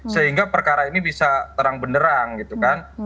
sehingga perkara ini bisa terang benderang gitu kan